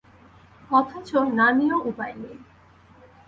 অথচ না নিয়েও উপায় নেই।